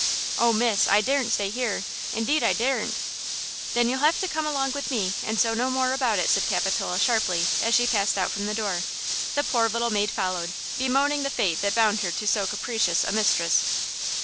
"Oh, Miss, I daren't stay here–indeed I daren't!" "Then you'll have to come along with me, and so no more about it," said Capitola, sharply, as she passed out from the door. The poor little maid followed, bemoaning the fate that bound her to so capricious a mistress.